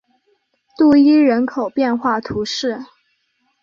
杜伊人口变化图示